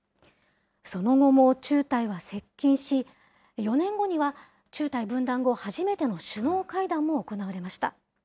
その後も中台は接近し、４年後には、中台分断後、初めての首脳会談も行われました。